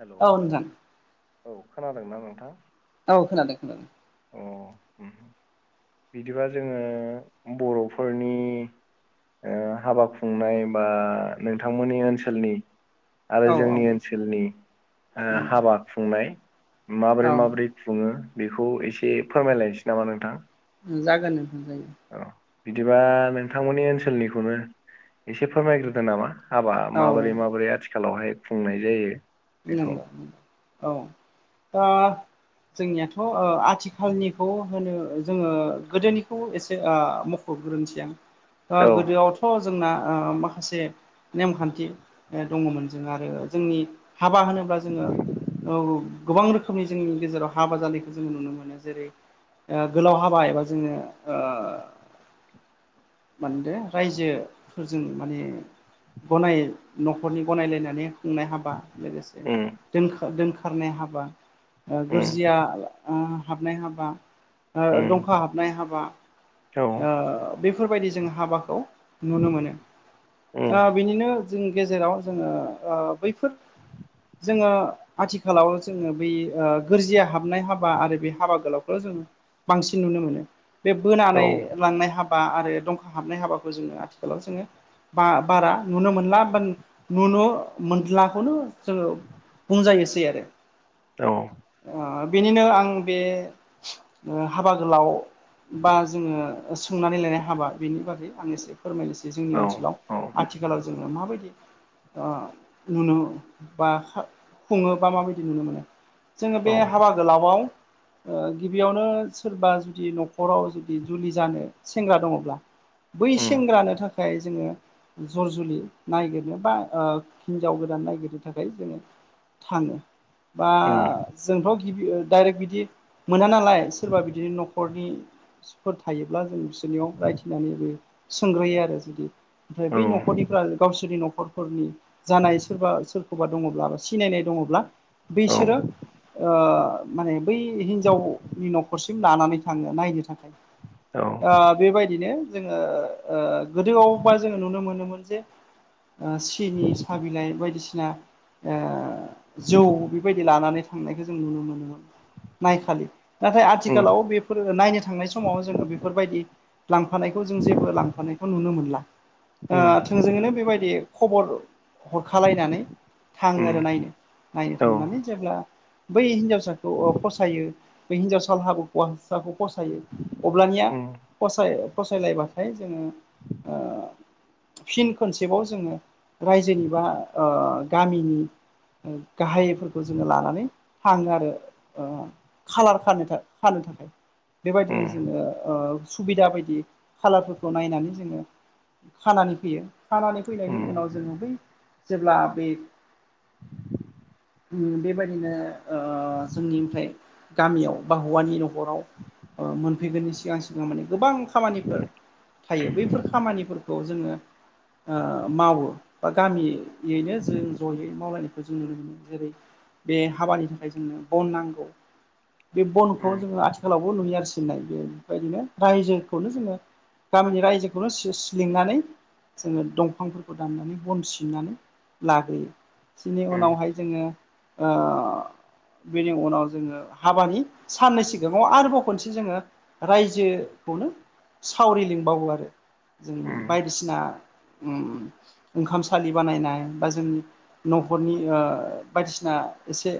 Hello औ नोंथां। औ खोनादों ना नोंथां? औ खोनादों खोनादों। अ बिदिबा जोंङो बर'फोरनि हाबा खुंनाय बा नोंथांमोननि ओनसोलनि आरो औ औ जोंनि ओनसोलनि हाबा खुंनाय माबोरै औ माबोरै बुंङो बेखौ एसे फोरमायलायनोसै नामा नोंथां। जागोन। औ बिदिबा नोंथांमोननि ओनसोलनिखौनो एसे फोरमायग्रोदों नामा? हाबा औ माबोरै माबोरै आथिखालावहाय खुंनाय जायो। बेखौ औ दा जोंनियाथ' आथिखालनिखौ होनो जोंङो गोदोनिखौ एसे [unintelligible] [inaudible] ओ गोदोआव थ' जोंना माखासे नेमखान्थि दंङमोन जों आरो जोंनि हाबा होनोब्ला जोंङो औ गोबां रोखोमनि जोंनि गेजेराव हाबा जानायखौ जोङो नुनो मोनो जेरै। गोलाव हाबा एबा जोङो मानदों रायजोफोरजों माने- गनाय न'खरनि गनायलायनानै खुंनाय हाबा लोगोसे उम दोन दोनखारनाय हाबा उम गोरजिया हाबनाय हाबा उम दंखा हाबनाय हाबा। औ बेफोरबायदि जों हाबाखौ नुनो मोनो। उम ओ बिनिनो जोंनि गेजेराव जोङो ओ बैफोर जोङो आथिखालाव जोङो बै ओ गोरजिया हाबनाय हाबा आरो बे हाबा गोलावखौ' जों बांसिन नुनो मोनो। बे बोनानै औ लांनाय हाबा आरो दंखा हाबनाय हाबाखौ जोङो आथिखालाव जोङो बा बारा नुनो मोनला नुनो मोनलाखौनो जोङो बुंजायोसै आरो। औ। ओ बेनिनो आं बे ओ हाबा गोलाव बा जोङो सोंनानै लायनाय हाबा बेनि बागै आं एसे फोरमायनोसै औ जोंनि ओनसोलाव। औ आथिखालाव जोङो माबायदि ओ नुनो बा खा खुंङो बा माबायदि नुनो मोनो जोङो औ बे हाबा गोलावाव ओ गिबियावनो सोरबा जुदि न'खराव जुदि जुलि जानो सेंग्रा दंङब्ला बै उम सेंग्रानो था खाय जोङो जर जुलि नायगिरनो बा ओ हिनजाव गोदान ननायागिर थाखाय जोङो थाङो बा उम जोंथ' गिबि डाइरेक्ट बिदि मोना नालाय सोरबा बिदिनो न'खरनि फोर थायोब्ला जों बिसोरनियाव रायथिनानैबो सोंग्रोयो आरो जुदि ओमफ्राय औ बै न'खरनिफ्रा गावसोरनि न'खरफोरनि जानाय सोरबा सोर खौबा दंङब्ला बा सिनायनाय दंङब्ला औ बिसोरो ओ माने बै हिनजावनि न'खरसिम लानानै थाङो नायनो थाखाय। औ ओ बेबायदिनो जोङो ओ गोदोआवबा जोङो नुनो मोनोमोन जे ओ सिनि साहा बिलाइ बायदिसिना ओ जौ बेबायदि लानानै थांनायखौ जों नुनो मोनोमोन नायखालि। नाथाय उम उम आथिखालाव बेफोर नायनो थांनाय समाव जोङो बेफोरबायदि लांफानायखौ जों जेबो लांफानायखौ नुनो मोनला। ओ थोंजोङैनो बेबायदि खबर हरखालायनानै थाङो उम आरो नायनो नायनो औ थांनानै जेब्ला बै हिन्जावसाखौ ओ फसायो बै हिन्जावसा हाबो हौवासाखौ फसायो। अब्लानिया उम फसाय फसायलायबाथाय जोङो ओ फिन खनसेबाव जोङो रायजोनि बा ओ गामिनि गाहायफोरखौ जोङो लानानै थाङो आरो ओ खालार खानो था खानो थाखाय। उम बेबायदिनो जोङो ओ सुबिदा बायदि खालारफोरखौ नायनानै जोङो खानानै फैयो खानानै फैनायनि उम उनाव जोङो बै जेब्ला बे बेबायदिनो ओ जोंनिफ्राय गामियाव बा हौवानि न'खराव ओ मोनफैगोननि सिगां सिगां माने गोबां खामानिफोर थायो बैफोर खामानिफोरखौ जोङो ओ मावो बा गामियैनो जों जयै मावलायनायखौ जों नुनो मोनो जेरै बे हाबानि थाखाय जोंनो बन नांगौ बे बनखौ जोङो आथिखालावबो नुयो आरो सिननाय बे बेबायदिनो रायजोखौनो जोङो गामिनि रायजोखौनो सि-सिलिंनानै जोङो दंफांफोरखौ दाननानै बन सिनानै लाग्रोयो। बिनि उम उनावहाय जोङो ओ बेनि उनाव जोङो हाबानि साननै सिगाङाव आरोबाव खनसे जोङो रायजोखौनो सावरि लिंबावो आरो। जों उम बायदिसिना उम ओंखाम सलि बानायनाय बा जों न'खरनि ओ बायदिसिना एसे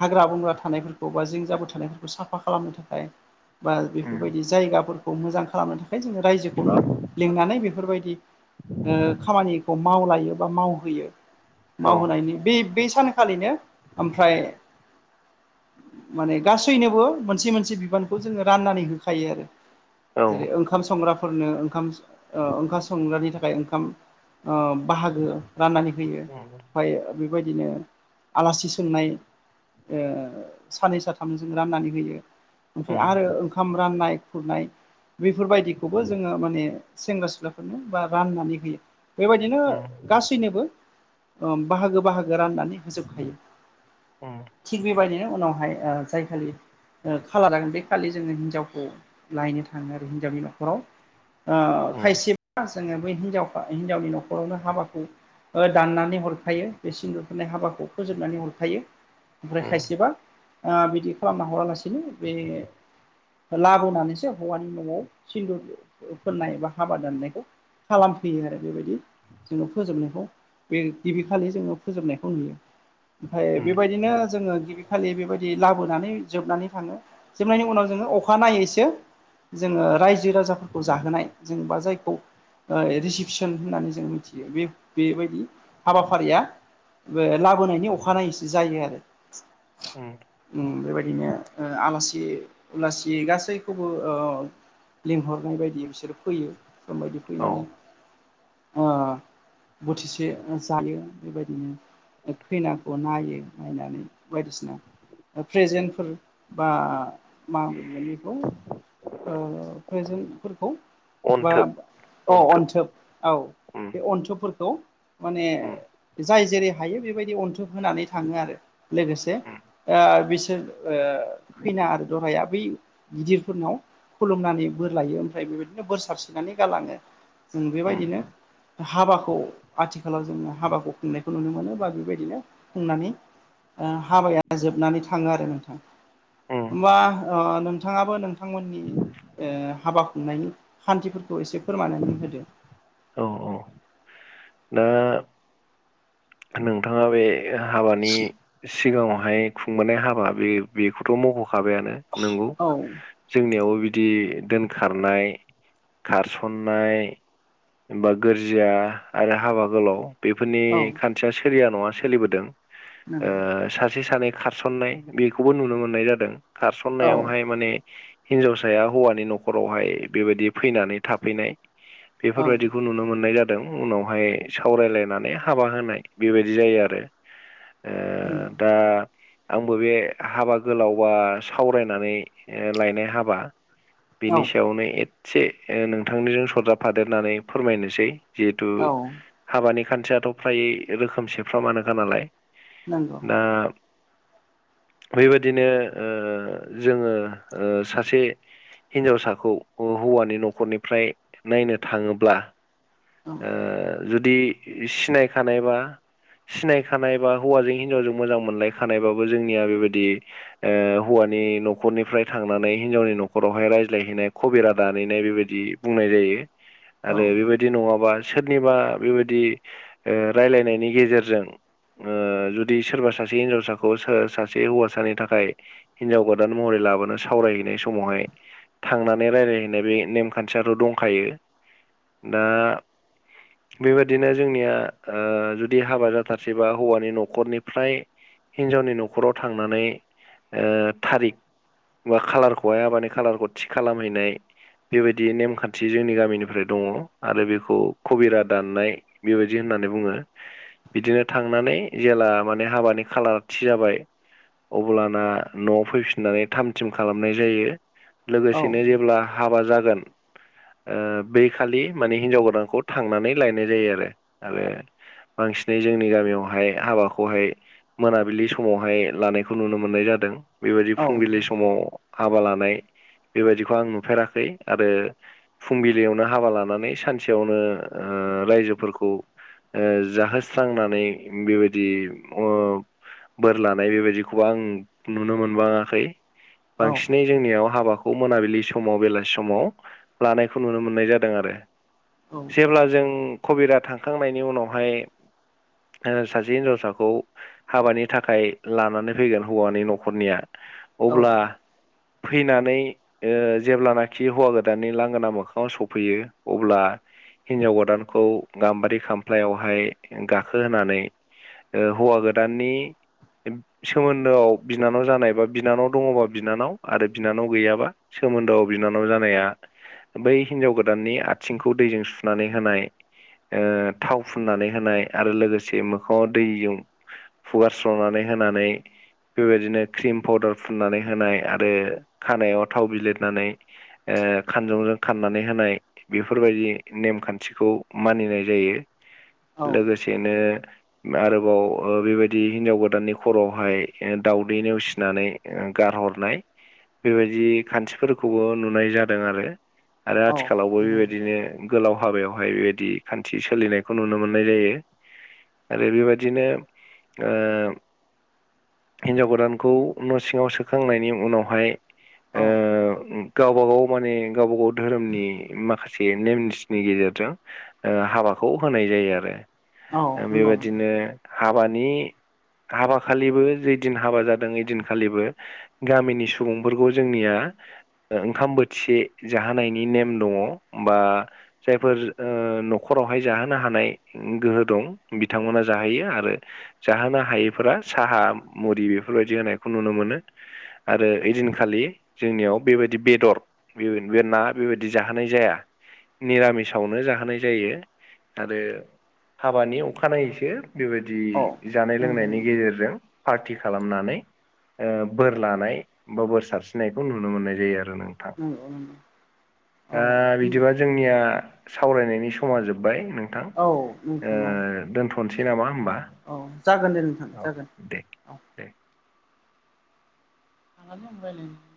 हाग्रा बंग्रा थानायफोरखौ बा जिं जाबो थानायफोरखौ साफा खालामनो थाखाय बा उम बेफोरबायदि जायगाफोरखौ मोजां खालामनो थाखाय जोङो रायजोखौनो लिंनानै बेफोरबायदि ओ खामानिखौ मावलायो बा मावहोयो औ मावहोनायनि बे बे सानखालिनो ओमफ्राय माने गासैनोबो मोनसे मोनसे बिबानखौ जोङो राननानै होखायो आरो उम जेरै उम ओंखाम संग्राफोरनो ओंखाम ओ ओंखाम संग्रानि थाखाय ओंखाम ओ बाहागो राननानै होयो उम उम ओमफ्राय बेबायदिनो आलासि सोंनाय ओ सानै साथामजों राननानै होयो ओमफ्राय आरो उम ओंखाम राननाय खुरनाय बेफोरबायदिखौबो जोङो माने सेंग्रा सिख्लाफोरनो बा राननानै होयो बेबायदिनो गासैनोबो ओ बाहागो बाहागो राननानै होजोबखायो थिग बेबायदिनो उनावहाय ओ जायखालि ओ खालार लाागोन बे खालि जोङो हिन्जावखौ लायनो थाङो आरो हिनजावनि न'खराव ओ खायसेब जोङो ब हिनजाव हिनजावनि न'खरावनो हाबाखौ ओ दाननानै हरखायो बे सिन्दुरफोरनाय हाबाखौ फोजोबनानै हरखायो ओमफ्राय खायसेबा ओ बिदि खालामना हरालासिनो बे लाबोनानैसो हौवानि न'आव सिन्दुर फोननाय बा हाबा दाननायखौ खालामफैयो आरो बेबायदि जोंनाव फोजोबनायखौ बे गिबि खालि जोङो फोजोबनायखौ नुयो ओमफ्राय उम बेबायदिनो जोङो गिबि खालि बेबायदि लाबोनानै जोबनानै थाङो जोबनायनि उनाव जोङो अखानायनायैसो जोङो रायजो राजाफोरखौ जाहोनाय जों बा जायखौ ओ रिसिपसन होननानै जों मिथियो बे-बेबायदि हाबाफारिया बे लाबोनायनि अखानायैसो जायो आरो ओम ओम बेबायदिनो आलासि उलासि गासैखौबो ओ लिंहरनाय बायदि बिसोरो फैयो समबायायदि औ फैनानै ओ बोथिसे जायो बेबायदिनो खैनाखौ नायो नायनानै बायदिसिना प्रेजेन्टफोर बा मा होनगोन बेखौ ओ प्रेजेन्टफोरखौ बा अनथोब औ अनथोब अन्थोब औ उम बे अन्थोबफोरखौ माने उम जाय जेरै हायो बेबायदि अनथोब होनानै थाङो आरो लोगोसे उम ओ बिसोर ओ खैना आरो दहाया बै गिदिरफोरनाव खुलुमनानै बोर लायो ओमफ्राय बेबायदिनो बोर सारसिनानै गालाङो जों उम बेबायदिनो हाबाखौ आथिखालाव जोङो हाबाखौ खुंनायखौ नुनो मोनो बा बेबायदिनो खुंनानै ओ हाबाया जोबनानै थाङो आरो नोंथां उम होमबा ओ नोंथाङाबो नोंथांमोननि ओ हाबा खुंनायनि खान्थिफोरखौ एसे फोरमनानै होदो औ औ दा नोंथाङा बे हाबानि सिगाङावहाय खुंबोनाय हाबा बे बेखौथ' मख'खाबायानो नोंगौ औ जोंनियावबो बिदि दोनखारनाय खारसननाय बा गोरजिया आरो हाबा गोलाव बेफोरनि औ खान्थिया सोलिया नङा सोलिबोदों ओ नंगौ सासे सानै खारसन्नाय बेखौबो नुनो मोननाय जादों औ खारसन्नायावहाय माने हिनजावसाया हौवानि न'खरावहाय बेबायदि फैनानै थाफैनाय औ बेफोरबायदिखौ नुनो मोननाय जादों उनावहाय सावरायलायनानै हाबा हो नाय बेबायदि जायो आरो ओ नंगौ दा आंबो बे हाबा गोलाव बा सावरायनानै लायनाय हाबा बिनि औ सायावनो एदसे नोंथांनिजों सरजाफादेरनानै फोरमायनोसै जिहेथु औ हाबानि खान्थियाथ' फ्राय रोखोमसेफ्रामानोखा नालाय नंगौ दा बेबायदिनो ओ जोङो ओ सासे हिनजावसाखौ हौ-हौवानि नखरनिफ्राय नायनो थाङोब्ला औ ओ जुदि सिनायखानाय बा सिनायखानाय बा हौवाजों हिनजावजों मोजां मोनलायखानायबाबो जोंनिया बेबायदि ओ हौवानि नखरनिफ्राय थांनानै हिनजावनि नखरावहाय रायज्लायहैनाय खबिरा दानैनाय बेबायदि बुंनाय जायो औ आरो बेबायदि नङाबा सोरनिबा बेबायदि रायलायनाय नि गेजेरजों ओ जुदि सोरबा सासे हिनजावसाखौ सासे हौवासानि थाखाय हिनजाव गोदान महरै लाबोनानो सावरायहैनाय समावहाय थांनानै रायलायहैनाय बे नेमखान्थियाथ' दंखायो दा बेबादिनो जोंनिया ओ जु दि हाबा जाथारसैबा हौवानि नखरनिफ्राय हिनजावनि नखराव थांनानै ओ थारिख बा कालारखौहाय मानो कालारखौ थि खालामहैनाय बेबायदि नेमखान्थि जोंनि गामिनिफ्राय दङ आरो बेखौ कबिरा दाननाय बेबायदि होननानै बुङो बिदिनो थांनानै जेला माने हाबानि खालार थि जाबाय अब्लाना न'आव फैफिननानै थाम थिम खालामनाय जायो औ लोगोसेनो जेब्ला हाबा जागोन ओ बै खालि माने हिन्जाव गोदानखौ थांनानै लायनाय जायो आरो आरो बांसिनै जोंनि गामियावहाय हाबाखौहाय मोनाबिलि समावहाय लानायखौ नुनो मोननाय जादों बेबायदि औ फुंबिलि समाव हाबा लानाय बेबायदिखौ आं नुफेराखै आरो फुंबिलियावनो हाबा लानानै सानसेयावनो ओ रायजोफोरखौ ओ जाहोस्रांनानै बेबायदि ओ बोर लानाय बेबायदिखौबो आं नुनो मोनबाङाखै बांसिनै जोंनियाव हाबा खौ मोनाबिलि समाव बेलासि समाव लानायखौ नुनो मोननाय जादों आरो औ जेब्ला जों कबिरा थांखांनायनि उनावहाय ओ सासे हिनजावसाखौ हाबानि थाखाय लानानै फैगोन हौवानि नखरनिया औ अब्ला फैनानै ओ जेब्लानाखि हौवा गोदाननि लांगोना मोखाङाव सफैयो अब्ला हिनजाव गोदानखौ गाम्बारि खामफ्लायावहाय गाखोहोनानै ओ हौवा गोदाननि सोमोन्दोआव बिनानाव जानायबा बिनानाव दङबा बिनानाव आरो बिनानाव गैयाबा सोमोन्दोआव बिनानाव जानाया बै हिन्जाव गोदाननि आथिंखौ दैजों सुनानै होनाय ओ थाव फुननानै होनाय आरो लोगोसे मोखाङाव दैजों फुगारस्र'नानै होनानै बेबायदिनो क्रिम पाउदार फुननानै होनाय आरो खानायाव थाव बिलिरनानै ओ खानजंजों खाननानै होनाय बेफोरबायदि नेमखान्थिखौ मानिनाय जायो लोगोसेनो आरोबाव ओ बेबायदि हिनजाव गोदाननि खर'आवहाय दाउदै नेवसिनानै गारहरनाय बेबायदि खान्थिफोरखौबो नुनाय जादों आरो आरो औ आथिखालावबो नंगौ बेबायदिनो नंगौ गोलाव हाबायावहाय बेबायदि खान्थि सोलिनाय खौ नुनो मोननाय जायो आरो बेबादिनो ओ हिनजाव गोदानखौ न' सिङाव सोखांनायनि उनावहाय ओ औ गावबा गाव माने गावबा गाव धोरोमनि माखासे नेम निथिनि गेजेरजों ओ हाबाखौ होनाय जायो आरो औ नंगौ नंगौ बेबायदिनो हाबानि हाबा खालिबो जैदिन हाबा जादों ओइदिनखालिबो। गामिनि सुबुंफोरखौ जोंनिया। ओंखाम बोथिसे जाहोनायनि नेम दङ बा जायफोर ओ न'खराव बेवहाय जाहोनो हानाय गोहो दं बिथांमोना जाहोयो आरो जाहोनो हायैफोरा साहा मुरि बेफोरबायदि होनायखौ नुनो मोनो आरो ओइदिनखालि जोंनियाव बेबायदि बेदर बे बे ना बेबायदि जाहोनाय जाया निरामिसावनो जाहोनाय जायो। आरो हाबानि अखानायैसो बेबायदि औ जानाय नंगौ लोंनायनि गेजेरजों पार्टि खालामनानै ओ बोर लानाय बा बोर सारस्रिनायखौ नुनो मोननाय जायो आरो नोंथां। नंगौ नंगौ दा बिदिबा औ। जोंनिया सावरायनायनि समा जोब्बाय नोंथां औ ओ नोंथां औ दोनथनोसै। थनोसै नामा होनोमबा। औ जागोन दे नोंथां जागोन। औ दे [inaudible]